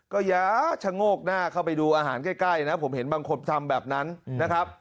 ก็อย่าชะโงกหน้าเข้าไปดูอาหารใกล้นะผมเห็นบางคนทำแบบนั้นนะครับ